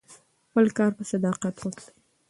خپل کار په صداقت وکړئ.